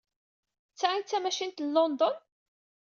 D ta ay d tamacint n London?